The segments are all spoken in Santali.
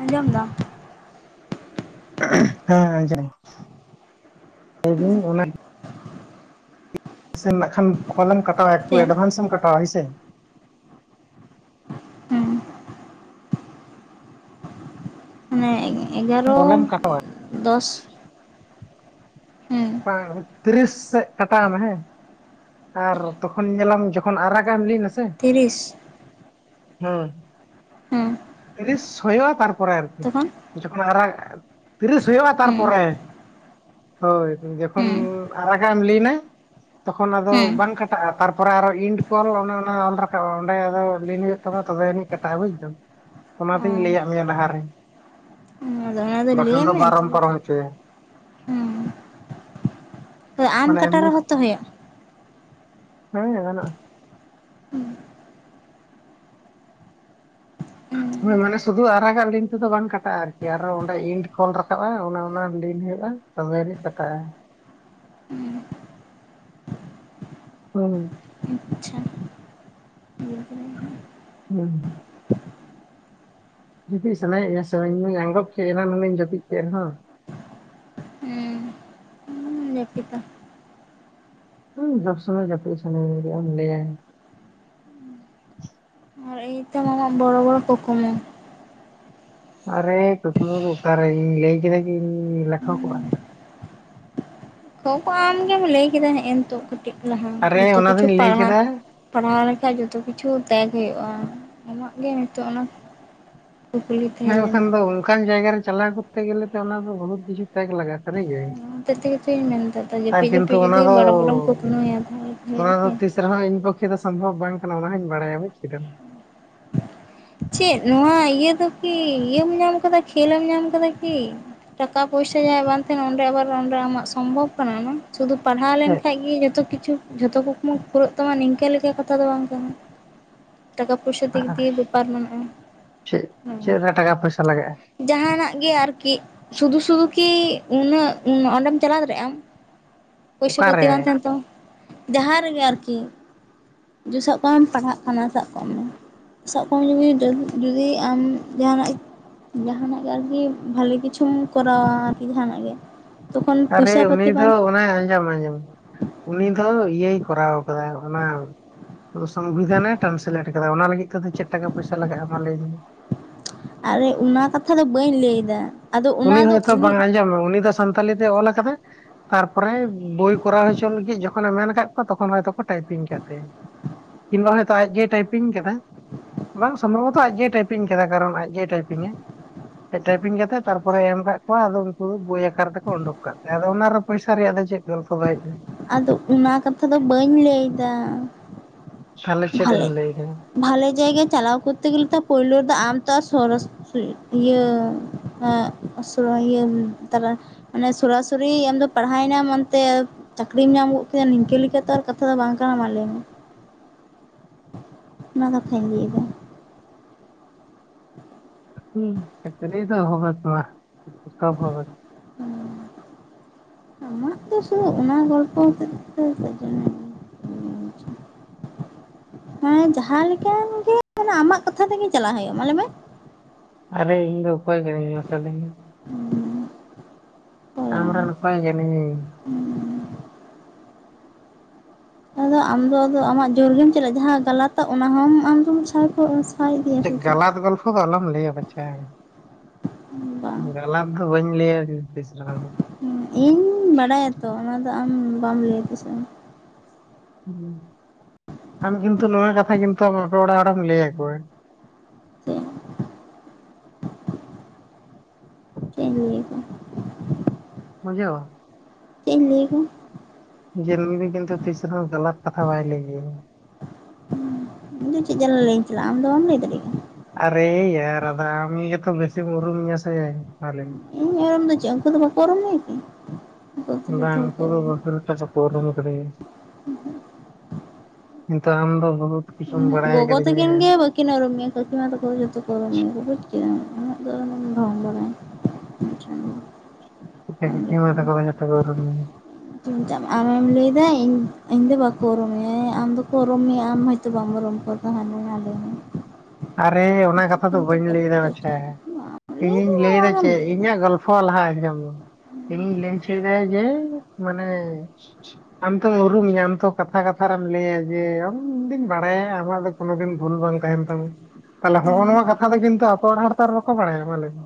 ᱟᱸᱡᱚᱢᱫᱟᱢ, ᱦᱮᱸ ᱟᱸᱡᱚᱢ ᱞᱟᱹᱭᱵᱤᱱ ᱚᱱᱟ, ᱥᱮᱢ ᱱᱟᱜᱠᱷᱟᱱ ᱠᱚᱞᱮᱢ ᱠᱟᱴᱟᱣᱟ ᱮᱠᱴᱩ ᱪᱮᱫ? ᱮᱰᱵᱷᱟᱱᱥ ᱮᱢ ᱠᱟᱴᱣᱟ ᱦᱳᱭ ᱥᱮ, ᱦᱩᱸ᱾ ᱢᱟᱱᱮ ᱮᱜᱟᱨᱚ ᱫᱚᱥ ᱦᱮᱸ ᱯᱟᱝ ᱛᱤᱨᱤᱥ ᱥᱮᱜ ᱠᱟᱴᱟᱣ ᱢᱮ ᱦᱮ, ᱟᱨ ᱛᱚᱠᱷᱚᱱ ᱧᱮᱞᱟᱢ ᱡᱚᱠᱷᱚᱱ ᱟᱨᱟᱜᱟᱜ ᱮᱢ ᱞᱤᱱᱟᱥᱮ, ᱛᱤᱨᱤᱥ, ᱦᱮᱸ ᱾ ᱦᱩᱸ ᱾ ᱛᱤᱨᱤᱥ ᱦᱳᱭᱜᱼᱟ ᱛᱟᱯᱚᱨᱮ ᱟᱨᱠᱤ ᱾ ᱛᱚᱠᱷᱚᱱ, ᱡᱚᱠᱷᱚᱱ ᱟᱨᱟᱜ ᱛᱤᱨᱤᱥ ᱦᱩᱭᱩᱜᱼᱟ ᱦᱩᱸ ᱛᱟᱨᱯᱚᱨᱮ ᱦᱳᱭ ᱾ ᱡᱚᱠᱷᱚᱱ ᱦᱩᱸ ᱟᱨᱟᱜᱟ ᱮᱢ ᱞᱤᱱᱟ ᱾ ᱛᱚᱠᱷᱚᱱ ᱟᱫᱚ ᱦᱩᱸ᱾ ᱵᱟᱝ ᱠᱟᱴᱟᱜᱼᱟ ᱛᱟᱨᱯᱚᱨᱮ ᱟᱨᱚ ᱤᱱᱰ ᱠᱚᱞ ᱚᱱᱮ ᱚᱱᱟ ᱚᱞᱨᱟᱠᱟᱵᱼᱟ ᱚᱸᱰᱮ ᱞᱤᱱ ᱦᱚᱭᱚᱜ ᱼᱟ ᱾ ᱛᱚ ᱛᱚᱵᱮ ᱟᱹᱱᱤᱡ ᱠᱟᱴᱟᱜᱼᱟ ᱵᱩᱡᱽ ᱫᱟᱢ ᱚ ᱚᱱᱟᱛᱤᱧ ᱞᱟ. ᱭᱟᱫ ᱢᱮᱭᱟ ᱞᱟᱦᱟᱨᱮ ᱟᱫᱚ ᱚᱱᱟ ᱾ ᱞᱟᱹᱭ ᱵᱟᱠᱷᱟᱱ ᱫᱚ ᱢᱮ ᱵᱟᱨᱚᱢ ᱛᱚᱵᱮ ᱯᱟᱨᱚᱢ ᱦᱚᱪᱚᱭᱟ ᱾ ᱟᱢ ᱢᱟᱱᱮ ᱠᱟᱴᱟ ᱮᱢᱱᱤ ᱨᱮᱦᱚᱸᱛᱚ ᱦᱩᱭᱩᱜᱼᱟ ᱾ ᱦᱮᱸ ᱜᱟᱱᱚᱜᱼᱟ ᱾, ᱦᱩᱭ ᱢᱟᱱᱮ ᱥᱩᱫᱷᱩ ᱟᱨᱟᱜᱟᱜ ᱞᱤᱱ ᱛᱮᱫᱚ ᱵᱟᱝ ᱠᱟᱴᱟᱜᱼᱟ ᱟᱨᱠᱤ ᱚᱸᱰᱮ ᱤᱱᱰ ᱠᱚᱞ ᱨᱟᱠᱟᱵ ᱚᱱᱟ ᱞᱤᱱ ᱦᱩᱭᱩᱜᱭᱼᱟ ᱾ ᱛᱚᱵᱮ ᱟᱱᱤᱡ ᱠᱟᱴᱟᱼᱟ ᱾ [inaudible] [inaudible] ᱟᱪᱪᱷᱟ [inaudible] ᱦᱩᱸ ᱡᱩᱯᱤᱫ ᱥᱟᱱᱟᱭᱮᱫᱧ ᱢᱮᱭᱟ ᱥᱮ ᱵᱟᱝ, ᱤᱧᱦᱚ ᱟᱸᱜᱚᱵ ᱠᱮᱫ ᱮᱱᱟ ᱱᱩᱱᱟᱹᱧ ᱡᱟᱹᱯᱤᱫ ᱠᱮᱫᱦᱚ ᱾ ᱦᱮᱸ ᱡᱟᱹᱯᱤᱫᱟ ᱦᱚᱸ ᱥᱚᱵ ᱥᱚᱢᱚᱭ ᱡᱟᱯᱤᱫ ᱥᱟᱱᱟᱹᱧ ᱜᱮᱭᱟ ᱪᱮᱫ ᱮᱢ ᱞᱟᱭᱟ ᱾ ᱮ ᱛ ᱟᱢᱟᱜ ᱵᱚᱲᱚ ᱵᱚᱲ ᱠᱩᱠᱢᱩ ᱾ ᱟᱨᱮ ᱠᱩᱠᱢᱩ ᱚᱠᱟᱨᱮᱧ ᱞᱟᱹᱭ ᱠᱮᱫᱟ ᱠᱤᱧ ᱞᱮᱠᱷᱚᱠ ᱠᱚᱼᱟ ᱾ ᱠᱷ ᱟᱢᱜᱮᱢ ᱞᱟᱹᱭ ᱠᱮᱫᱟᱸ ᱱᱤᱛᱚᱜ ᱠᱟᱹᱴᱤᱡ ᱞᱟᱦᱟ ᱟᱨᱮ ᱡᱚᱛᱚ ᱚᱱᱟ ᱠᱤᱪᱷᱩ ᱫᱚᱧ ᱞᱟᱹᱭ ᱯᱟᱲᱦᱟᱜ, ᱠᱮᱫᱟ ᱯᱟᱲᱦᱟᱣ ᱞᱮᱠᱷᱟᱡ ᱡᱚᱛᱚ ᱠᱤᱪᱷᱩ ᱛᱮᱭᱟᱜ ᱦᱩᱭᱩᱜᱼᱟ, ᱟᱢᱟᱜ ᱜᱮ ᱱᱤᱛᱚᱜ ᱚᱱᱟ, ᱠᱩᱠᱞᱤ ᱦᱮᱸ ᱛᱟᱦᱮᱸ ᱵᱟᱠᱷᱟᱱ ᱞᱮᱱᱟ ᱫᱚ ᱚᱱᱠᱟᱱ ᱡᱟᱭᱜᱟ ᱨᱮ ᱪᱟᱞᱟᱣ ᱠᱚᱨᱛᱮ ᱜᱮᱞᱮ ᱚᱱᱟ ᱵᱚᱦᱩᱛ ᱠᱤᱪᱷᱩ ᱛᱮᱠ ᱞᱟᱜᱟᱼᱟ ᱥᱟᱹᱨᱤ ᱜᱮ ᱾ ᱤᱱᱟ ᱛᱮᱜᱮ ᱛᱚᱧ ᱢᱮᱱᱫᱟ ᱡᱟᱹᱯᱤᱫ- ᱡᱟᱹᱯᱤᱫ ᱚᱱᱟ ᱡᱩᱫᱤ ᱫᱚ ᱵᱟᱨᱚ-ᱵᱚᱨᱚᱢ ᱠᱩᱠᱢᱩᱭᱟ ᱛᱟᱦᱚᱞᱮ ᱟᱨ ᱠᱤ, ᱪᱮᱫᱦᱚᱸ ᱤᱧ ᱯᱚᱠᱷᱮ ᱫᱚ ᱥᱚᱢᱵᱷᱚᱵ ᱵᱟᱝ ᱠᱟᱱᱟ ᱚᱱᱟ ᱦᱚᱸᱧ ᱵᱟᱲᱟᱭᱟ ᱵᱩᱡ ᱠᱮᱫᱟᱢ ᱾ ᱪᱮᱫ ᱱᱚᱣᱟ ᱤᱭᱟᱹ ᱫᱚ ᱠᱤ ᱤᱭᱟᱹᱢ ᱧᱟᱢ ᱟᱠᱟᱫᱟ ᱠᱷᱮᱞᱮᱢ ᱧᱟᱢ ᱠᱟᱫᱟ ᱠᱤ? ᱴᱟᱠᱟ ᱯᱚᱭᱥᱟ ᱡᱟᱦᱟᱸᱭ ᱵᱟᱝ ᱛᱟᱦᱮᱱᱟ ᱚᱸᱰᱮ ᱟᱵᱟᱨ ᱚᱰᱮ ᱟᱢᱟᱜ ᱥᱚᱢᱵᱷᱚᱵ ᱠᱟᱱᱟ ᱚᱱᱟ ᱾ ᱥᱩᱫᱷᱩ ᱯᱟᱲᱦᱟᱣ ᱦᱮᱸ ᱞᱮᱱᱠᱟᱱᱡ ᱜᱮ ᱡᱚᱛᱚ ᱠᱤᱪᱷᱩ, ᱡᱷᱚᱛᱚ ᱠᱩᱠᱢᱩ ᱯᱩᱨᱟᱹᱜ ᱛᱟᱢᱟ ᱱᱤᱝᱠᱟᱹ ᱞᱮᱠᱟ ᱠᱟᱛᱷᱟ ᱫᱚ ᱵᱟᱝ ᱠᱟᱱᱟ ᱴᱟᱠᱟ ᱯᱚᱭᱥᱟ ᱫᱤᱠ ᱫᱤᱭᱮ, ᱵᱮᱯᱟᱨ ᱢᱮᱱᱟᱜᱼᱟ ᱦᱮᱸ ᱪᱮᱫ-ᱪᱮᱫ ᱨᱮ ᱴᱟᱠᱟ ᱯᱚᱭᱥᱟ ᱞᱟᱜᱟᱜᱼᱟ ᱾ ᱡᱟᱦᱟᱱᱟᱜ ᱜᱮ ᱟᱨᱠᱤ ᱥᱩᱫᱷᱩ- ᱥᱩᱫᱷᱩ ᱠᱤ ᱩᱱᱟᱹᱜ ᱚᱸᱰᱮᱢ ᱪᱟᱞᱟᱣ ᱫᱟᱲᱮᱭᱟᱜᱼᱟ ᱟᱢ ᱾ ᱯᱚᱭᱥᱟ ᱯᱟᱹᱛᱤ ᱵᱟᱝ ᱚᱠᱟᱨᱮ ᱛᱟᱦᱮᱸᱱ ᱛᱟᱢᱟ ᱾ ᱡᱟᱦᱟᱸ ᱨᱮᱜᱮ ᱟᱨᱠᱤ ᱡᱩ ᱥᱟᱵ ᱠᱟᱜᱮᱢ ᱯᱟᱲᱦᱟᱜ ᱠᱟᱱᱟ ᱥᱟᱵ ᱠᱟᱜ ᱢᱮ ᱾ ᱟᱢ ᱡᱩᱫᱤ, ᱡᱩᱫᱤ ᱟᱢ ᱡᱟᱦᱟᱱᱟᱜ, ᱡᱟᱦᱟᱱᱟᱜ ᱜᱮ ᱟᱨᱠᱤ ᱵᱷᱟᱹᱞᱤ ᱠᱤᱪᱷᱩᱢ ᱠᱚᱨᱟᱣᱟ ᱟᱨᱠᱤ ᱡᱟᱦᱟᱱᱟᱜ ᱜᱮ ᱾ ᱟᱨᱮ ᱩᱱᱤ ᱫᱚ ᱚᱱᱟᱭ ᱟᱸᱡᱚᱢ-ᱟᱸᱡᱚᱢ ᱩᱱᱤ ᱫᱚ ᱤᱭᱟᱹᱭ ᱠᱚᱨᱟᱣ ᱠᱟᱫᱟ ᱚᱱᱟ, ᱥᱚᱝᱵᱤᱫᱷᱟᱱᱮ ᱴᱨᱟᱱᱥᱞᱮᱴ ᱟᱠᱟᱫᱟ ᱚᱱᱟ ᱞᱟᱹᱜᱤᱫ ᱛᱮᱫᱚ ᱪᱮᱫ ᱴᱟᱠᱟ-ᱯᱚᱭᱥᱟ ᱞᱟᱜᱟᱜᱼᱟ ᱢᱟ ᱞᱟᱹᱭ ᱢᱮ ᱾ ᱟᱨᱮ ᱚᱱᱟ ᱠᱟᱛᱷᱟ ᱫᱚ ᱵᱟᱹᱧ ᱞᱟᱹᱭ ᱮᱫᱟ ᱾ ᱩᱱᱤ ᱦᱚᱭᱛᱚ ᱵᱟᱝ ᱟᱸᱡᱚᱢᱮ ᱩᱱᱤ ᱫᱚ ᱥᱟᱱᱛᱟᱞᱤ ᱛᱮᱭ ᱚᱞ ᱟᱠᱟᱫᱟᱭ ᱾ ᱛᱟᱨᱯᱚᱨᱮ ᱵᱳᱭ ᱠᱚᱨᱟᱣ ᱦᱚᱪᱚ ᱞᱟᱹᱜᱤᱫ ᱡᱚᱠᱷᱚᱱᱮ ᱢᱮᱱ ᱟᱠᱟᱫ ᱠᱚᱣᱟ ᱛᱚᱠᱷᱚᱱ ᱦᱚᱭᱛᱚ ᱴᱟᱭᱯᱤᱝ ᱟᱠᱟᱫ ᱛᱟᱭᱟ, ᱠᱤᱝᱵᱟᱦ ᱦᱚᱭᱛᱳ ᱟᱡᱜᱮᱭ ᱴᱟᱭᱯᱤᱝ ᱠᱟᱫᱟ ᱾ ᱵᱟᱝ ᱥᱚᱢᱵᱷᱚᱵᱚᱛᱚ ᱟᱡᱜᱮᱭ ᱴᱟᱭᱯᱤᱝ ᱠᱟᱫᱟ ᱠᱟᱨᱚᱱ ᱟᱡᱜᱭ ᱴᱟᱭᱯᱤᱝᱼᱟ ᱟᱡ ᱴᱟᱭᱯᱤᱝ ᱠᱟᱛᱮᱫ, ᱛᱟᱨᱯᱚᱨᱮ ᱮᱢ ᱟᱠᱟᱫ ᱠᱚᱣᱟ ᱟᱫᱚ ᱩᱱᱠᱩ ᱫᱚ ᱵᱳᱭ ᱟᱠᱟᱨ ᱛᱮᱠᱚ ᱩᱰᱩᱠ ᱠᱟᱜ ᱛᱟᱦᱮᱸ ᱟᱫᱚ ᱚᱱᱟᱨᱮ ᱯᱚᱭᱥᱟ ᱨᱮᱭᱟᱜ ᱫᱚ ᱪᱮᱫ ᱜᱚᱞᱯᱚ ᱵᱟᱭ ᱦᱮᱡ -ᱟ ᱾ ᱟᱫᱚ ᱚᱱᱟ ᱠᱟᱛᱷᱟ ᱫᱚ ᱵᱟᱹᱧ ᱞᱟᱹᱭᱫᱟ ᱾ ᱛᱟᱞᱦᱮ ᱪᱮᱫ ᱮᱢ ᱞᱟᱹᱭᱟ ᱫᱟ ᱾ ᱵᱷᱟᱞᱮ ᱡᱟᱭᱜᱟ ᱪᱟᱞᱟᱣ ᱠᱚᱛᱮ ᱜᱮᱞᱮ ᱛᱚ ᱯᱳᱭᱞᱳ ᱨᱮ ᱫᱚ ᱟᱢ ᱛᱚ ᱟᱨ ᱥᱚᱨᱚᱥ, ᱤᱭᱟᱹ ᱮᱜ ᱥᱚᱣᱟᱜᱤᱭᱟᱹ ᱛᱟᱨᱟ ᱢᱟᱱᱮ ᱥᱚᱨᱟᱼᱥᱩᱨᱤ ᱟᱢᱫᱚ ᱯᱟᱲᱦᱟᱣᱱᱟᱢ ᱚᱱᱛᱮ ᱪᱟᱹᱠᱨᱤᱢ ᱧᱟᱢ ᱜᱚᱫ ᱠᱮᱫᱟ ᱱᱤᱝᱠᱟᱹ ᱛᱚ ᱟᱨ ᱠᱟᱛᱷᱟ ᱫᱚ ᱵᱟᱝ ᱠᱟᱱᱟ ᱢᱟ ᱞᱟᱹᱭ ᱢᱮ ᱚᱱᱟ ᱠᱟᱛᱷᱟᱧ ᱞᱟᱭᱫᱟ᱾ ᱪᱟᱹᱠᱨᱤ ᱫᱚ ᱦᱚᱵᱮᱠᱚᱜ-ᱟ ᱥᱚᱵ ᱦᱚᱵᱮᱠ ᱟᱢᱟᱜ ᱫᱚ ᱥᱩᱫᱩ ᱚᱱᱟ ᱜᱚᱞᱯᱚ ᱦᱚᱛᱮᱡ ᱛᱮ ᱡᱮᱱ ᱦᱮᱸ ᱡᱟᱦᱟᱸ ᱞᱮᱠᱟᱱ ᱜᱮ ᱟᱢᱟᱜ ᱠᱟᱛᱷᱟ ᱛᱮᱜᱮ ᱪᱟᱞᱟᱜ ᱦᱩᱭᱩᱜᱼᱟ ᱢᱟᱞᱮ ᱢᱮ ᱟᱨᱮ ᱤᱧ ᱫᱚ ᱚᱠᱚᱭ ᱠᱟᱹᱱᱟᱹᱧ ᱢᱟᱥᱮ ᱞᱟ. ᱭᱢᱮ? ᱟᱢᱨᱮᱱ ᱚᱠᱚᱭ ᱠᱟᱱᱟᱹᱧ ᱤᱧ? ᱟᱫᱚ ᱟᱢᱫᱚ ᱟᱢᱟᱜ ᱡᱳᱨᱜᱮᱢ ᱪᱟᱞᱟᱜᱼᱟ ᱡᱟᱦᱟᱸ ᱜᱟᱞᱟᱛᱟᱜ ᱚᱱᱟ ᱦᱚᱸᱚᱢ ᱟᱢᱫᱚᱢ ᱥᱟᱭ ᱠᱚᱜᱼᱟ᱾ ᱜᱟᱞᱟᱛ ᱜᱚᱞᱯᱷᱚ ᱫᱚ ᱟᱞᱚᱢ ᱞᱟᱹᱭᱟ ᱵᱟᱪᱷᱟ ᱵᱟᱝ ᱜᱟᱞᱟᱛ ᱫᱚ ᱵᱟᱹᱧ ᱞᱟᱹᱭᱟ ᱛᱤᱥ ᱨᱮᱸᱦᱚ ᱤᱧ ᱵᱟᱰᱟᱭᱟ ᱛᱚ ᱚᱱᱟ ᱫᱚ ᱟᱢ ᱵᱟᱢ ᱞᱟᱹᱭᱮᱫᱟ ᱥᱮ ᱟᱢ ᱠᱤᱱᱛᱩ ᱱᱚᱣᱟ ᱠᱟᱛᱷᱟ ᱜᱮ ᱠᱤᱱᱛᱩ ᱟᱢ ᱟᱯᱮ ᱚᱲᱟᱜ ᱦᱚᱲᱮᱢ ᱞᱟᱹᱭ ᱟᱠᱚᱣᱟ᱾ [inaudible] ᱪᱮᱜ ᱤᱧ ᱞᱟᱹᱭ ᱟᱠᱚ ᱵᱩᱡᱷᱟᱹᱣ? ᱪᱮᱜ ᱤᱧ ᱞᱟᱹᱭ [inaudible] ᱡᱮ ᱨᱩᱵᱤᱱ ᱠᱤᱱᱛᱩ ᱛᱤᱥ ᱨᱮᱦᱚᱸ ᱜᱟᱞᱟᱛ ᱠᱟᱛᱷᱟ ᱵᱟᱭ ᱞᱮᱭ ᱜᱮᱭᱟ᱾ ᱩᱸ ᱤᱧ ᱫᱚ ᱪᱮᱫ ᱡᱟᱞᱟ ᱞᱟᱹᱭᱟᱹᱧ ᱪᱟᱞᱟᱜ-ᱟ ᱟᱢ ᱫᱚ ᱵᱟᱢ ᱞᱟᱹᱭ ᱫᱟᱲᱮᱭᱟᱜ-ᱟ ᱠᱟᱱᱟ᱾ ᱟᱨᱮᱭᱟᱨ ᱟᱫᱚ ᱟᱢ ᱜᱮᱛᱚ ᱵᱮᱥᱤᱢ ᱩᱨᱩᱢ ᱢᱤᱧᱟᱸ ᱥᱮ ᱢᱟ ᱞᱮᱭᱢᱮ᱾ ᱤᱧ ᱩᱨᱩᱢ ᱫᱚ ᱪᱮᱫ ᱩᱱᱠᱩ ᱫᱚ ᱵᱟᱠᱚ ᱩᱨᱩᱢ ᱢᱮᱭᱟ ᱠᱤ? ᱩᱱᱠᱩ ᱫᱚ ᱡᱚᱛᱚ ᱵᱟᱝ ᱦᱚᱲ ᱠᱚ ᱩᱝᱠᱩ ᱫᱚ ᱩᱨᱩᱢᱤᱧᱟ [unintelligible] ᱠᱚ ᱩᱨᱩᱢ ᱠᱟᱫᱮᱭᱟ, ᱠᱤᱱᱛᱩ ᱟᱢᱫᱚ ᱵᱩᱦᱩᱫ ᱠᱤᱪᱷᱩᱢ ᱵᱟᱲᱟᱭ ᱠᱟᱫᱤᱧᱟ᱾ ᱠᱤᱱ ᱩᱨᱩᱢ ᱢᱮᱭᱟ ᱠᱟᱠᱤᱢᱟ ᱛᱟᱠᱚ ᱫᱚ ᱡᱷᱚᱛᱚ ᱠᱚ ᱩᱨᱩᱢ ᱢᱮᱭᱟ ᱠᱚ ᱵᱩᱡ ᱠᱮᱫᱟᱢ ᱩᱱᱟᱹᱜ ᱫᱚ ᱟᱞᱚᱢ ᱰᱷᱚᱝ ᱵᱟᱲᱟᱭᱟ᱾ [unintelligible] ᱟᱢ ᱞᱮᱠᱟ ᱠᱟᱠᱤᱢᱟ ᱛᱟᱠᱚ ᱫᱚ ᱡᱷᱚᱛᱚ ᱠᱚ ᱩᱨᱩᱢᱤᱧᱟ? ᱟᱢᱮᱢ ᱞᱟᱹᱭ ᱫᱟ ᱤᱧ ᱤᱧᱫᱚ ᱵᱟᱠᱚ ᱩᱨᱩᱢ ᱢᱮᱭᱟ ᱦᱮᱸ ᱟᱢ ᱫᱚᱠᱚ ᱩᱨᱩᱢ ᱢᱮᱭᱟ ᱟᱢ ᱦᱚᱸ ᱛᱩ ᱵᱟᱝ ᱩᱨᱩᱢ ᱠᱚᱣᱟ ᱛᱟᱞᱦᱮ [inaudible] ᱟᱨᱮ ᱚᱱᱟ ᱠᱟᱛᱷᱟ ᱫᱚ ᱵᱟᱹᱧ ᱞᱟᱹᱭ ᱫᱟ ᱵᱟᱪᱷᱟ ᱪᱮᱫ ᱫᱚ ᱤᱧᱤᱧ ᱞᱟᱹᱭ ᱮᱫᱟ ᱚᱱᱟᱜᱮᱢ ᱪᱮᱫ ᱞᱟᱹᱭᱫᱟ ᱤᱧᱟᱹᱜ ᱜᱚᱞ ᱯᱷᱚ ᱞᱟᱦᱟ ᱟᱸᱡᱚᱢ ᱢᱮ ᱤᱧᱤᱧ ᱞᱟᱹᱭ ᱚᱪᱚᱭ ᱫᱟ ᱡᱮ ᱢᱟᱱᱮ ᱟᱢ ᱛᱚᱢ ᱩᱨᱩᱢᱤᱧᱟ ᱟᱢ ᱛᱚ ᱠᱟᱛᱷᱟ ᱠᱟᱛᱷᱟ ᱨᱮᱢ ᱞᱟᱹᱭᱟ ᱡᱮ ᱟᱢᱫᱩᱧ ᱵᱟᱲᱟᱭᱟ ᱟᱢᱟᱜ ᱫᱚ ᱠᱚᱱᱚ ᱫᱤᱱ ᱵᱷᱩᱞ ᱵᱟᱝ ᱛᱟᱦᱮᱱ ᱛᱟᱢᱟ, ᱛᱟᱦᱞᱮ ᱦᱚᱜᱼᱚ ᱱᱚᱣᱟ ᱠᱟᱛᱷᱟ ᱫᱚ ᱠᱤᱱᱛᱩ ᱟᱠᱚ ᱚᱲᱟᱜ ᱦᱚᱲ ᱛᱚ ᱟᱨ ᱵᱟᱠᱚ ᱵᱟᱲᱟᱭᱟ ᱢᱟ ᱞᱟᱹᱭ ᱢᱮ?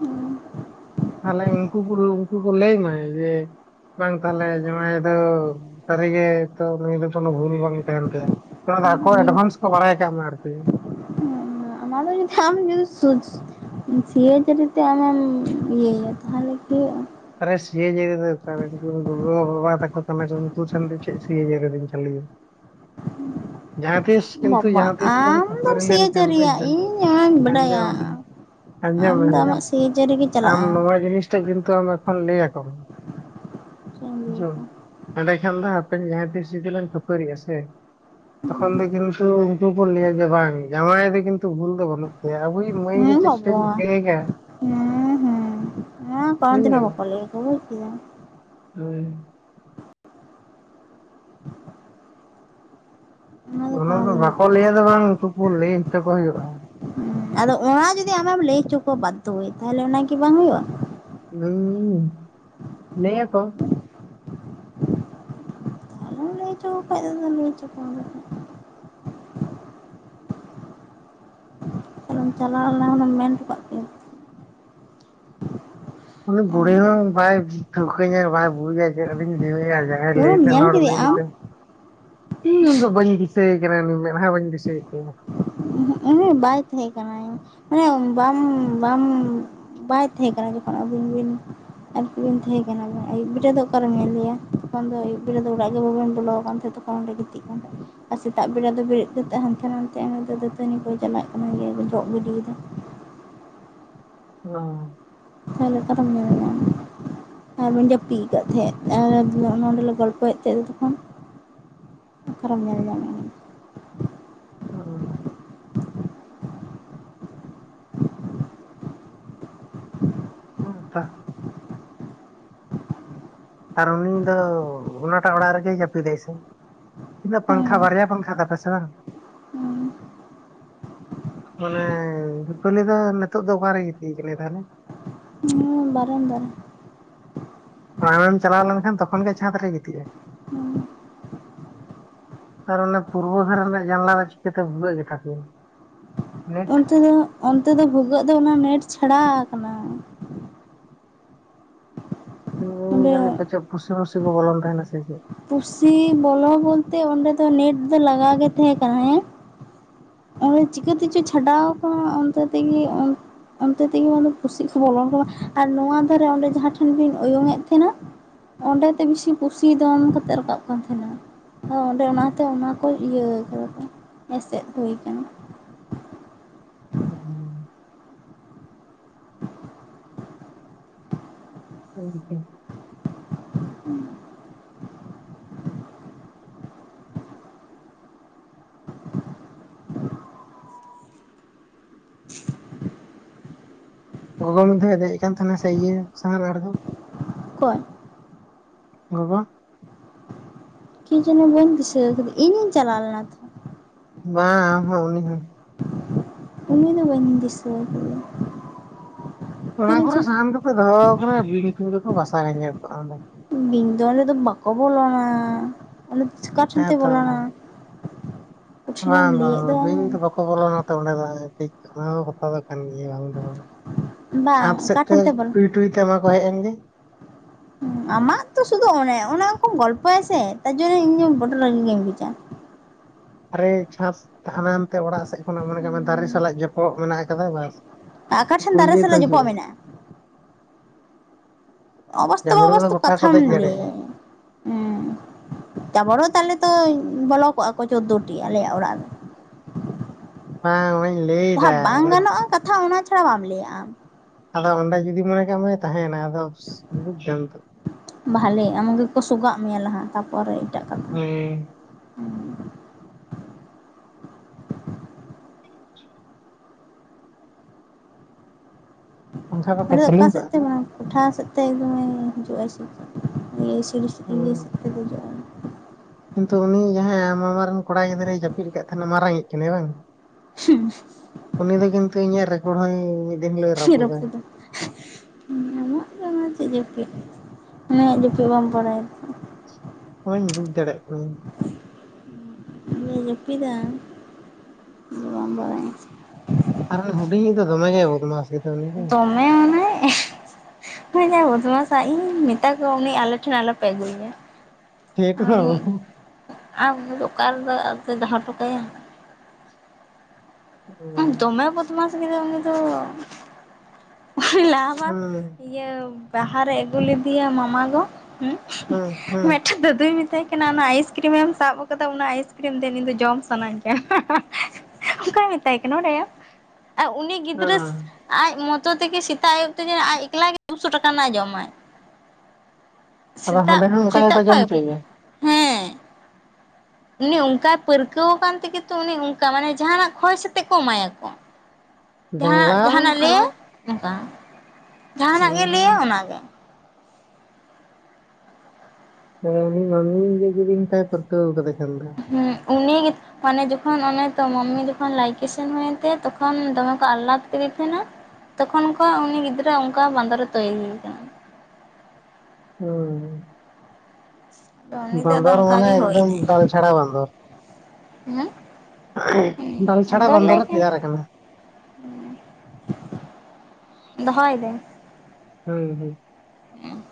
ᱦᱩᱸ᱾ ᱛᱟᱦᱞᱮ ᱩᱝᱠᱩ [unintelligible] ᱩᱝᱠᱩ ᱠᱚ ᱞᱟᱹᱭ ᱢᱟ ᱡᱮ ᱵᱟᱝ ᱛᱟᱦᱞᱮ ᱡᱟᱸᱣᱟᱭ ᱫᱚ ᱥᱟᱹᱨᱤ ᱜᱮ ᱛᱚ ᱱᱩᱭ ᱫᱚ ᱠᱚᱱᱚ ᱵᱷᱩᱞ ᱵᱟᱝ ᱛᱟᱦᱮᱸᱱ ᱛᱟᱭᱟ᱾ ᱱᱚᱣᱟ ᱫᱚ ᱟᱠᱚ ᱮᱰᱵᱷᱟᱱᱥ ᱠᱚ ᱵᱟᱲᱟᱭ ᱠᱟᱜ ᱢᱟ ᱟᱨᱠᱤ᱾ ᱦᱩᱸ ᱚᱱᱟ ᱫᱚ ᱡᱩᱫᱤ ᱟᱢ ᱡᱩᱫᱤ ᱥᱩᱡ ᱥᱤᱭᱟᱹ ᱡᱟᱹᱨᱤᱛᱮ ᱟᱢᱮᱢ ᱤᱭᱟᱹᱭ ᱫᱟ ᱛᱟᱦᱞᱮ ᱦᱳᱭᱳᱜᱼᱟ? ᱟᱨᱮ ᱥᱤᱭᱟᱹᱡᱟᱲᱤ ᱚᱠᱟᱨᱮ ᱜᱚᱼᱵᱟᱵᱟ ᱛᱟᱠᱚ ᱠᱟᱱᱟ ᱠᱚ ᱩᱝᱠᱩ ᱴᱷᱮᱱ ᱫᱚ ᱪᱮᱫ ᱪᱷᱤᱭᱟᱹ ᱫᱚᱧ ᱪᱟᱹᱞᱩᱭᱟ᱾ [unintelligible] ᱠᱤᱱᱛᱩ ᱵᱟᱵᱟᱜ ᱡᱟᱦᱟᱸ ᱛᱤᱥ ᱞᱟᱝ ᱟᱢ ᱫᱚᱢ ᱠᱷᱟᱹᱯᱟᱹᱨᱤ ᱥᱮᱭᱟᱹ ᱞᱮᱱᱠᱷᱟᱱ ᱵᱩᱡ ᱡᱟᱹᱨᱤᱭᱟ ᱫᱟᱢ ᱤᱧ ᱟᱱᱟᱧ ᱵᱟᱰᱟᱭᱟ᱾ ᱟᱸᱡᱚᱢ ᱟᱸᱡᱚᱢ ᱟᱢ ᱫᱚ ᱟᱢᱟᱜ ᱥᱤᱭᱟᱹ ᱡᱟᱹᱨᱤ ᱜᱤ ᱪᱟᱞᱟᱜᱼᱟ᱾ ᱛᱮᱡ ᱵᱤᱱᱛᱩ ᱟᱢ ᱫᱚ ᱮᱠᱷᱚᱱ ᱞᱟᱹᱭ ᱟᱠᱚᱢᱮ ᱵᱩᱡᱷᱟᱹᱣ᱾ ᱮᱸᱰᱮ ᱠᱷᱟᱱ ᱫᱚ ᱦᱟᱯᱮᱱ ᱡᱟᱦᱟᱸ ᱛᱤᱥ ᱡᱩᱫᱤ ᱞᱟᱝ ᱠᱷᱟᱹᱯᱟᱹᱨᱤᱜᱼᱟ ᱥᱮ ᱛᱚᱠᱷᱚᱱ ᱫᱚ ᱠᱤᱱᱛᱩ ᱩᱱᱠᱩ ᱠᱚ ᱞᱟᱹᱭᱟ ᱡᱮ ᱵᱟᱝ ᱡᱟᱸᱣᱟᱭ ᱫᱚ ᱠᱤᱱᱛᱩ ᱵᱷᱩᱞ ᱫᱚ ᱵᱟᱹᱱᱩᱜ ᱜᱮᱭᱟ ᱟᱵᱚᱭᱤᱜ ᱢᱟᱹᱭ ᱦᱮᱸ ᱜᱮᱪᱚ ᱪᱮᱫ ᱠᱚᱭ ᱵᱟᱵᱟ ᱪᱤᱠᱟᱹᱭ ᱫᱟ, ᱟᱸ ᱠᱚᱱᱚ ᱫᱤᱱ ᱦᱚᱸ ᱵᱟᱠᱚ ᱞᱟᱹᱭᱟ ᱠᱚ ᱵᱩᱡ ᱠᱮᱫᱟᱢ᱾ ᱦᱳᱭ᱾ [inaudible] ᱚᱱᱟ ᱠᱳᱱᱳ ᱫᱚ ᱫᱤᱱ ᱵᱟᱠᱚ ᱞᱟᱹᱭ ᱟᱠᱚ᱾ ᱞᱟᱹᱭᱟᱫᱚ ᱵᱟᱝ ᱩᱱᱠᱩ ᱯᱩᱨ ᱞᱟᱹᱭ ᱦᱚᱪᱚᱠᱚ ᱦᱩᱭᱩᱜᱼᱟ᱾ ᱦᱩᱸ ᱟᱫᱚ ᱚᱱᱟ ᱡᱩᱫᱤ ᱟᱢᱮᱢ ᱞᱟᱹᱭ ᱦᱚᱪᱚ ᱠᱚᱣᱟ ᱵᱟᱫᱫᱷᱚ ᱛᱟᱦᱚᱞᱮ ᱚᱱᱟᱜᱤ ᱵᱟᱝ ᱦᱩᱭᱩᱜᱼᱟ᱾ ᱦᱩᱸ [unintelligible] ᱞᱮᱭᱟ ᱠᱚ ᱟᱫᱚ ᱵᱟᱠᱷᱟᱡ ᱫᱚ ᱞᱮᱭ ᱦᱚᱪᱚ ᱠᱚᱣᱟᱢ ᱛᱟᱦᱞᱮᱢ ᱪᱟᱞᱟᱣ ᱞᱮᱱᱟᱢ ᱢᱮᱱ ᱦᱚᱴᱚ ᱠᱟᱜ ᱠᱮᱭᱟ᱾ ᱩᱱᱤ ᱵᱩᱲᱦᱤ ᱟᱢᱜᱮ ᱦᱚᱸ ᱵᱟᱭ ᱴᱷᱟᱹᱣᱠᱟᱹᱧᱟᱭ ᱵᱟᱭ ᱵᱩᱡᱟᱭ ᱪᱮᱫ ᱟᱫᱩᱧ ᱞᱮᱭ ᱟᱭᱟ ᱡᱟᱸ ᱦᱟᱭ ᱯᱩᱨᱟᱹᱢ ᱞᱟᱹᱭᱛᱮ ᱧᱮᱞ ᱦᱚᱲ ᱠᱮᱫᱮᱭᱟ ᱩᱱᱤ ᱟᱢ ᱜᱮᱛᱚ ᱤᱧ ᱩᱱᱤᱫᱚ ᱵᱟᱹᱧ ᱫᱤᱥᱟᱹᱭᱮ ᱠᱟᱱᱟ ᱢᱮᱫᱦᱟ ᱵᱟᱹᱧ ᱫᱤᱥᱟᱹᱭ-ᱜ ᱛᱟᱭᱟ᱾ ᱩ ᱵᱟᱭ ᱛᱟᱦᱮᱸ ᱠᱟᱱᱟᱭ ᱢᱟᱱᱮ ᱵᱟᱢ ᱵᱟᱢ ᱵᱟᱭ ᱛᱟᱦᱮᱸ ᱠᱟᱱᱟᱭ ᱡᱚᱠᱷᱚᱱ ᱟᱹᱵᱤᱱ ᱵᱤᱱ ᱟᱨᱠᱤᱵᱤᱱ ᱛᱟᱦᱮᱸ ᱠᱟᱱᱟ ᱟᱹᱭᱩᱵ ᱵᱮᱲᱟ ᱫᱚ ᱚᱠᱟᱨᱮᱢ ᱧᱮᱞ ᱞᱮᱭᱟ ᱛᱚᱠᱷᱚᱱ ᱫᱚ ᱟᱹᱭᱩᱵ ᱵᱮ ᱫᱚ ᱚᱲᱟᱜ ᱜᱮ ᱵᱟᱵᱮᱱ ᱵᱚᱞᱚ ᱟᱠᱟᱱ ᱛᱟᱦᱮᱸᱱᱟ᱾ ᱛᱚᱠᱷᱚᱱ ᱚᱸᱰᱮ ᱜᱤᱛᱤᱡ ᱠᱟᱱ ᱛᱟᱦᱮᱸ ᱟᱨ ᱥᱮᱛᱟᱜ ᱵᱮᱲᱟ ᱫᱚ ᱵᱮᱨᱮᱫ ᱠᱟᱛᱮᱫ ᱦᱟᱱᱛᱮ ᱱᱟᱱᱛᱮ ᱛᱟᱭᱚᱢᱛᱮ ᱫᱟᱹᱛᱟᱹᱱᱤ ᱠᱚ ᱪᱟᱞᱟᱜ ᱠᱟᱱᱟ ᱜᱮ ᱡᱚᱜ ᱜᱤᱰᱤᱭᱮᱫᱟ᱾ ᱚ ᱦᱳᱭ ᱚᱠᱟᱨᱮᱢ ᱧᱮᱞᱮᱼᱭᱟ? ᱟᱨ ᱵᱚᱱ ᱡᱟᱹᱯᱤᱫ ᱟᱠᱟᱫ ᱛᱟᱦᱮᱸᱫ ᱱᱚᱸᱰᱮᱞᱮ ᱜᱚᱞᱯᱚᱭᱮᱫ ᱛᱟᱦᱮᱸᱫ ᱛᱚᱠᱷᱚᱱ᱾ ᱚᱠᱟᱨᱮᱢ ᱧᱮᱞ ᱧᱟᱢᱮᱭᱟ? ᱚ [inaudible] ᱦᱮ ᱛᱚ ᱟᱨ ᱩᱱᱤ ᱫᱚ ᱚᱱᱟᱴᱟᱜ ᱚᱲᱟᱜ ᱨᱮᱜᱮ ᱡᱟᱹᱯᱤᱫᱟᱭ ᱥᱮ? ᱛᱤᱱᱟᱹᱜ ᱯᱟᱝᱠᱷᱟ ᱵᱟᱨᱭᱟ ᱯᱟᱝᱠᱷᱟ ᱛᱟᱯᱮ ᱥᱮ ᱵᱟᱝ? ᱦᱩᱸ ᱢᱟᱱᱮ ᱫᱤᱯᱟᱞᱤ ᱫᱚ ᱱᱤᱛᱚᱜ ᱫᱚ ᱚᱠᱟᱨᱮᱭ ᱜᱤᱛᱤᱡ ᱟᱠᱟᱱᱟ ᱛᱟᱦᱞᱮ? ᱵᱟᱨᱮᱱ ᱫᱟ ᱨᱮ᱾ ᱟᱢᱮᱢ ᱪᱟᱞᱟᱣ ᱞᱮᱱ ᱛᱚᱠᱷᱚᱱ ᱜᱮ ᱪᱷᱟᱸᱫᱽ ᱨᱮᱭ ᱜᱤᱛᱤᱡᱼᱟ᱾ ᱦᱮᱸ ᱟᱨ ᱚᱱᱟ ᱯᱩᱨᱵᱚ ᱫᱷᱟᱨᱮ ᱨᱮᱭᱟᱜ ᱡᱟᱱᱞᱟ ᱨᱮ ᱪᱤᱠᱟᱹᱛᱮ ᱵᱷᱩᱜᱟᱹᱜ ᱜᱮᱛᱟ ᱯᱮᱭᱟ? ᱱᱮᱴ ᱚᱱᱛᱮ ᱫᱚ ᱚᱱᱛᱮ ᱫᱚ ᱵᱷᱩᱜᱟᱹᱜ ᱫᱚ ᱚᱱᱟ ᱱᱮᱴ ᱪᱷᱟᱲᱟᱣ ᱟᱠᱟᱱᱟ᱾ ᱦᱸ ᱡᱟᱹᱱᱤᱡ ᱚᱸᱰᱮ ᱯᱟᱪᱮᱫ ᱯᱷᱩᱥᱤ ᱢᱩᱥᱤ ᱠᱚ ᱵᱚᱞᱚᱱ ᱛᱟᱦᱮᱱᱟ ᱥᱮ ᱪᱮᱫ? ᱯᱩᱥᱤ ᱵᱚᱞᱚ ᱵᱚᱞᱛᱮ ᱚᱸᱰᱮ ᱫᱚ ᱱᱮᱴ ᱫᱚ ᱞᱟᱜᱟᱣ ᱜᱮ ᱛᱟᱦᱮᱸ ᱠᱟᱱᱟ᱾ ᱚᱸ ᱪᱤᱠᱟᱹ ᱛᱮᱪᱚ ᱪᱷᱟᱰᱟᱣ ᱟᱠᱟᱜ ᱚᱱᱠᱟ ᱛᱮᱜᱮ ᱚᱱ ᱚᱱᱛᱮ ᱛᱮᱜᱮ ᱯᱩᱥᱤ ᱠᱚ ᱵᱚᱞᱚᱱ ᱠᱟᱱᱟ ᱟᱨ ᱱᱚᱣᱟ ᱫᱷᱟᱨᱮ ᱚᱸᱰᱮ ᱡᱟᱦᱟᱸ ᱴᱷᱮᱱ ᱵᱤᱱ ᱚᱭᱩᱧ ᱮᱫ ᱛᱟᱦᱮᱱᱟ᱾ ᱚᱸᱰᱮᱛᱮ ᱵᱮᱥᱤ ᱯᱩᱥᱤ ᱫᱚᱱ ᱠᱟᱛᱮᱫ ᱨᱟᱠᱟᱵ ᱠᱟᱱ ᱛᱟᱦᱮᱱᱟ᱾ ᱟᱫᱚ ᱚᱸᱰᱮ ᱚᱱᱟᱛᱮ ᱚᱱᱟ ᱠᱚ ᱤᱭᱟᱹ ᱠᱟᱫᱟ ᱠᱚ ᱮᱥᱮᱫ ᱦᱩᱭ ᱟᱠᱟᱱᱟ᱾ ᱦᱮᱸ ᱦᱳᱭ ᱛᱚ ᱦᱩᱸ ᱜᱚᱜᱚ ᱢᱤᱫ ᱫᱷᱟᱣ ᱮ ᱫᱮᱡ ᱟᱠ ᱛᱟᱦᱮᱱᱟ ᱥᱮ ᱤᱭᱟᱹ ᱥᱟᱦᱟᱱ ᱟᱨᱚᱢ ᱚᱠᱚᱭ ᱜᱚᱜᱚ ᱠᱤ ᱡᱟᱱᱤ ᱵᱟᱹᱧ ᱫᱤᱥᱟᱹᱣ ᱟᱠᱟᱫᱟ ᱤᱧᱤᱧ ᱪᱟᱞᱟᱣ ᱞᱮᱱᱟ ᱛᱚ ᱾ ᱵᱟᱝ ᱟᱢ ᱦᱚ ᱩᱱᱤ ᱦᱚ ᱩᱱᱟ ᱫᱚ ᱵᱟᱹᱧ ᱫᱤᱥᱟᱹ ᱠᱟᱫᱟ᱾ ᱚᱱᱟ ᱠᱚᱨᱮ ᱥᱟᱦᱟᱱ ᱫᱚᱠᱚ ᱫᱚᱦᱚᱠ ᱵᱤᱧ ᱛᱤᱱ ᱫᱚᱠᱚ ᱵᱟᱥᱟ ᱧᱸᱡᱮᱞ ᱠᱚᱜᱼᱟ ᱚᱸᱰᱮ ᱵᱤᱧ ᱫᱚ ᱟᱞᱮ ᱫᱚ ᱵᱟᱠᱚ ᱵᱚᱞᱚᱱᱟ ᱚᱱᱮ ᱫᱚ ᱪᱤᱠᱟ ᱴᱷᱮᱱᱛᱮ ᱦᱮᱸᱛᱚ ᱵᱚᱞᱚᱱᱟ᱾ ᱠᱚᱴᱷᱤᱱᱮᱢ ᱵᱟᱝ ᱵᱟᱝ ᱞᱟᱹᱭᱮᱫ ᱵᱤᱧ ᱫᱚ ᱵᱟᱠᱚ ᱵᱚᱞᱚᱱᱟ ᱚᱸᱰᱮ ᱫᱚ ᱴᱷᱤᱠ ᱚᱱᱟ ᱠᱟᱛᱷᱟ ᱫᱚ᱾ ᱠᱟᱱ ᱜᱮᱭᱟ ᱵᱟᱝ ᱫᱚ ᱵᱟᱝ ᱪᱷᱟᱸᱫᱽ ᱥᱮᱫ ᱚᱠᱟ ᱛᱮ ᱴᱷᱮᱱ ᱵᱚᱞᱚ ᱴᱩᱭ ᱴᱩᱭ ᱛᱮ ᱢᱟ ᱠᱚ ᱦᱮᱡ ᱮᱱ ᱜᱮ᱾ [inaudible] ᱟᱢᱟᱜ ᱛᱚ ᱥᱩᱫᱷᱩ ᱚᱱᱮ ᱚᱱᱮ ᱚᱱᱠᱟᱢ ᱜᱚᱞᱯᱚᱭᱟ ᱥᱮ ᱛᱟᱨ ᱡᱚᱱᱱᱮ ᱤᱧ ᱫᱚ ᱵᱚᱰᱰᱚ ᱨᱟᱜᱤ ᱜᱤᱧ ᱵᱩᱡᱽᱼᱟ᱾ ᱟᱨᱮ ᱪᱷᱟᱥ ᱛᱟᱦᱞᱮ ᱮᱱᱛᱮ ᱚᱲᱟᱜ ᱥᱮᱜ ᱠᱷᱚᱱᱟᱜ ᱢᱚᱱᱮ ᱠᱟᱜ ᱢᱮ ᱫᱟᱨᱮ ᱥᱟᱞᱟᱜ ᱡᱚᱯᱚᱜ ᱢᱮᱱᱟᱜ ᱟᱠᱟᱫᱟ ᱵᱟᱥ ᱟᱠᱟ ᱴᱷᱮᱱ ᱩᱱᱠᱩ ᱫᱟᱨᱮ ᱤᱭᱟᱹ ᱠᱚ ᱥᱟᱞᱟᱜ ᱡᱚᱯᱚᱜ ᱦᱤᱡᱩᱜᱼᱟ ᱢᱮᱱᱟᱜᱼᱟ᱾ ᱚᱵᱟᱥᱛᱚᱵ ᱡᱟᱢᱲᱩ ᱫᱚ ᱚᱵᱟᱥᱛᱚᱵ ᱜᱚᱴᱟ ᱠᱚ ᱠᱟᱛᱷᱟᱢ ᱫᱮᱡ ᱞᱟᱹᱭᱟ ᱫᱟᱲᱮᱭᱟᱜᱼᱟ ᱦᱩᱸ ᱛᱟᱯᱚᱨᱮ ᱛᱟᱦᱞᱮ ᱛᱚ ᱵᱚᱞᱚ ᱠᱚᱜᱼᱟ ᱠᱚ ᱪᱳᱫᱫᱳᱴᱤ ᱟᱞᱮᱭᱟᱜ ᱚᱲᱟᱜ ᱨᱮ᱾ ᱵᱟᱝ ᱚᱱᱟᱧ ᱞᱟᱹᱭᱫᱟ ᱡᱟᱸᱦᱟᱸ ᱵᱟᱝ ᱜᱟᱱᱚᱜᱼᱟ ᱠᱟᱛᱷᱟ ᱚᱱᱟ ᱪᱷᱟᱲᱟ ᱵᱟᱢ ᱞᱟᱹᱭᱟ ᱟᱢ᱾ ᱟᱫᱚ ᱚᱸᱰᱮ ᱡᱩᱫᱤ ᱢᱚᱱᱮ ᱠᱟᱜ ᱢᱮ ᱛᱟᱦᱮᱸᱱᱟ ᱟᱫᱚ ᱵᱩᱡ ᱫᱟᱢ ᱛᱚ ᱵᱷᱟᱞᱮ ᱟᱢ ᱜᱮᱠᱚ ᱥᱚᱜᱟᱜ ᱢᱮᱭᱟ ᱞᱟᱦᱟ ᱛᱟᱯᱚᱨᱮ ᱮᱴᱟᱜ ᱠᱚ᱾ ᱦᱳᱭ᱾ ᱯᱟᱝᱠᱷᱟ ᱵᱟᱠᱷᱟ ᱱᱚᱰᱮ ᱪᱟᱹᱞᱩ ᱚᱠᱟ ᱥᱮᱫ ᱠᱟᱜᱼᱟ ᱛᱮ ᱦᱚᱸ ᱵᱟᱝ ᱠᱚᱴᱷᱟ ᱥᱮᱫᱛᱮ ᱮᱠᱫᱚᱢᱮ ᱦᱤᱡᱩᱜ ᱟᱭ ᱥᱮᱪᱮᱫ ᱤᱭᱟᱹ ᱥᱤᱲᱤ ᱥᱮᱫ ᱛᱮ ᱫᱮᱡᱚᱜ ᱟᱭ ᱠᱤᱱᱛᱩ ᱩᱱᱤ ᱡᱟᱸᱦᱟᱭ ᱟᱢ ᱢᱟᱢᱟ ᱨᱮᱱ ᱠᱚᱲᱟ ᱜᱤᱫᱽᱨᱟᱹᱭ ᱡᱟᱹᱯᱤᱫ ᱠᱟᱫ ᱛᱟᱦᱮᱸᱱᱟ ᱢᱟᱨᱟᱝᱤᱡ ᱠᱟᱱᱟᱭ ᱵᱟᱝ? ᱦᱩᱸ᱾ ᱩᱱᱤ ᱫᱚ ᱠᱤᱱᱛᱩ ᱤᱧᱟᱹᱜ ᱨᱮᱠᱚᱲ ᱦᱚᱸᱭ ᱢᱤᱫ ᱫᱤᱱ ᱦᱤᱞᱳᱜ ᱨᱟᱹᱯᱩᱫᱟ ᱨᱟᱯᱩᱫᱟ᱾ ᱟᱢᱟᱜ ᱫᱚ ᱚᱱᱟ ᱪᱮᱫ ᱡᱟᱹᱯᱤᱫ ᱩᱱᱤᱭᱟᱜ ᱡᱟᱯᱤᱫ ᱵᱟᱢ ᱵᱟᱲᱟᱭᱟ ᱛᱚ᱾ ᱦᱚᱧ ᱵᱩᱡ ᱫᱟᱲᱮᱭᱟᱜ ᱠᱟᱹᱱᱟᱧ᱾ ᱡᱮ ᱡᱟᱹᱯᱤᱫᱟ ᱟᱢ ᱫᱚ ᱵᱟᱢ ᱵᱟᱲᱟᱭᱟ᱾ ᱟᱨ ᱩᱱᱤ ᱦᱩᱰᱤᱧᱤᱡ ᱫᱚ ᱫᱚᱢᱮ ᱜᱮᱭ ᱵᱚᱫᱢᱟᱥ ᱜᱮᱫᱚ ᱩᱱᱤ ᱫᱚ᱾ ᱦᱮᱸ ᱚᱱᱮ ᱡᱟ ᱵᱚᱫᱢᱟᱥ ᱟᱭ ᱤᱧᱤᱧ ᱢᱮᱛᱟ ᱠᱚᱣᱟ ᱩᱱᱤ ᱟᱞᱮ ᱴᱷᱮᱱ ᱟᱞᱚᱯᱮ ᱟᱹᱜᱩᱭᱭᱟ᱾ ᱴᱷᱮᱴ ᱟᱨ ᱫᱚ ᱢᱩᱜ ᱟᱨ ᱩᱱᱤ ᱫᱚ ᱚᱠᱟ ᱨᱮᱫᱚ ᱟᱨ ᱫᱚᱦᱚᱴᱚ ᱠᱟᱭᱟᱭ? ᱦᱩᱸ ᱫᱚᱢᱮ ᱵᱚᱫᱢᱟᱥ ᱜᱮᱫᱚᱭ ᱩᱱᱤ ᱫᱚ᱾ ᱞᱟᱦᱟ ᱵᱟᱨ ᱦᱩᱸ ᱤᱭᱟᱹ ᱵᱟᱦᱟᱨᱮ ᱟᱹᱜᱩ ᱞᱮᱫᱮᱭᱟᱭ ᱢᱟᱢᱟ ᱜᱚ᱾ ᱦᱩᱸ ᱦᱩᱸ ᱦᱩᱸ ᱢᱮᱜᱴᱮᱝ ᱫᱟᱫᱩᱭ ᱢᱮᱛᱟᱭ ᱠᱟᱱᱟ ᱚᱱᱟ ᱟᱭᱤᱥᱠᱨᱤᱢ ᱮᱢ ᱥᱟᱵ ᱠᱟᱫᱟ ᱚᱱᱟ ᱟᱭᱤᱥᱠᱨᱤᱢ ᱫᱮᱱ ᱤᱧ ᱫᱚ ᱡᱚᱢ ᱥᱟᱱᱟᱧ ᱠᱟᱱᱟ᱾ ᱚᱝᱠᱟᱭ ᱢᱮᱛᱟᱭ ᱠᱟᱱᱟ ᱵᱟᱰᱟᱭᱟᱢ ᱟᱨ ᱩᱱᱤ ᱜᱤᱫᱽᱨᱟᱹ ᱦᱮᱸ ᱟᱡ ᱢᱚ ᱛᱚ ᱛᱮᱜᱮ ᱥᱮᱛᱟᱜ ᱟᱭᱩᱵ ᱛᱮᱜᱮ ᱟᱡ ᱮᱠᱞᱟᱮ ᱫᱩᱥᱚ ᱴᱟᱠᱟ ᱨᱮᱱᱟᱜ ᱮ ᱡᱚᱢᱟᱭ᱾ ᱟᱫᱚ ᱥᱮᱛᱟᱜ ᱦᱟᱸᱰᱮ ᱦᱚᱸ ᱚᱱᱠᱟ ᱥᱮᱛᱟᱜ ᱜᱮᱠᱚ ᱠᱷᱚᱡ ᱡᱚᱢ ᱫᱷᱟᱹᱵᱤᱡ ᱦᱚᱪᱚᱭᱮᱭᱟ ᱛᱮ᱾ ᱩᱱᱤ ᱚᱝᱠᱟᱭ ᱯᱟᱹᱨᱠᱟᱹᱣ ᱠᱟᱱ ᱛᱮᱜᱮ ᱛᱚ ᱩᱱᱤ ᱚᱝᱠᱟ ᱢᱟᱱᱮ ᱡᱟᱸᱦᱟᱸᱱᱟᱜ ᱠᱷᱚᱭ ᱥᱟᱛᱮᱜ ᱠᱚ ᱮᱢᱟᱭᱟᱠᱚ᱾ ᱡᱟᱸᱦᱟᱸ ᱡᱟᱝᱞᱟ ᱡᱟᱦᱟᱱᱟᱜ ᱞᱟᱹᱭ ᱥᱟᱞᱟ ᱟᱭ ᱚᱝᱠᱟ ᱡᱟᱸᱦᱟᱸᱱᱟᱜ ᱜᱮ ᱞᱟᱹᱭᱟ ᱦᱩᱸ ᱚᱱᱟᱜᱮ ᱦᱳᱭ ᱢᱤᱫ ᱫᱤᱱ ᱤᱧᱦᱚᱧ ᱢᱮᱛᱟᱭ ᱠᱟᱱᱟ [unintelligible] ᱠᱟᱫᱮ ᱠᱷᱟᱱ ᱫᱚ᱾ ᱦᱩᱸ ᱩᱱᱤ ᱜᱮ ᱚᱱᱮ ᱡᱚᱠᱷᱚᱱ ᱚᱱᱮ ᱛᱚ ᱢᱟᱢᱤ ᱡᱚᱠᱷᱚᱱ ᱞᱟᱞᱠᱤ ᱥᱮᱱ ᱦᱩᱭᱮᱱ ᱛᱟᱭᱟ ᱛᱚᱠᱷᱚᱱ ᱫᱚᱢᱮ ᱠᱚ ᱟᱞᱞᱟᱫᱽ ᱠᱮᱫᱮ ᱛᱮᱦᱮᱸᱱᱟ ᱛᱚᱠᱷᱚᱱ ᱠᱷᱚᱜ ᱩᱱᱤ ᱜᱤᱫᱽᱨᱟᱹ ᱚᱝᱠᱟ ᱵᱟᱸᱫᱚᱨᱮ ᱛᱳᱭᱨᱤ ᱠᱟᱱᱟ᱾ ᱦᱩᱸ᱾ ᱫᱚ ᱩᱱᱤ ᱫᱚ ᱟᱫᱚ ᱵᱟᱸᱫᱚᱨ ᱚᱝᱠᱟ ᱢᱟᱱᱮ ᱜᱮ ᱦᱩᱭ ᱮᱠᱫᱚᱢ ᱱᱟᱭ, ᱫᱟᱞ ᱪᱷᱟᱲᱟ ᱦᱩᱸ? ᱰᱟᱞ ᱪᱷᱟᱲᱟ ᱵᱟᱱᱫᱚᱨᱮ ᱛᱮᱭᱟᱨ ᱠᱟᱱᱟ᱾ ᱩᱸ ᱫᱚᱦᱚᱭ ᱫᱟᱹᱧ? ᱦᱳᱭ ᱦᱳᱭ᱾ ᱩᱸ᱾